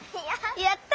やった！